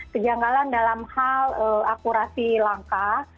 kejanggalan dalam hal akurasi langkah